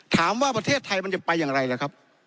ถามว่าประเทศไทยมันจะไปอย่างไรล่ะครับ